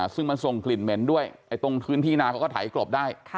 ซึ่งมันส่งกลิ่นเหม็นด้วยตรงพื้นที่นาเขาก็ไถกลบได้